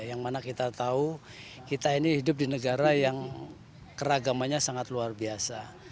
yang mana kita tahu kita ini hidup di negara yang keragamannya sangat luar biasa